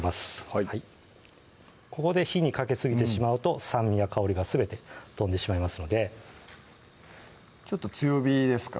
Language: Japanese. はいここで火にかけすぎてしまうと酸味や香りがすべて飛んでしまいますのでちょっと強火ですか？